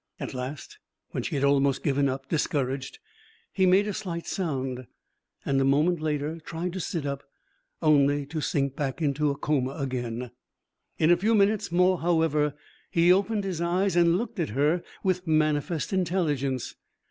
At last, when she had almost given up, discouraged, he made a slight sound, and a moment later tried to sit up, only to sink back into coma again. In a few minutes more, however, he opened his eyes and looked at her with manifest intelligence.